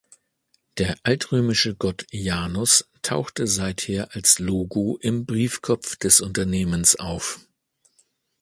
Der altrömische Gott Janus tauchte seither als Logo im Briefkopf des Unternehmens auf.